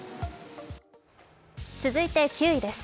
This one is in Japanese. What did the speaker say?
続いて９位です。